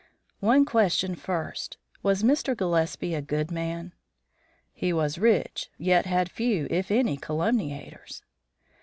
"One question first. Was Mr. Gillespie a good man?" "He was rich; yet had few if any calumniators."